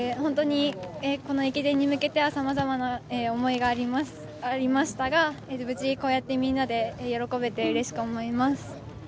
この駅伝に向けてはさまざまな思いがありましたが無事、こうやってみんなで喜べてうれしく思います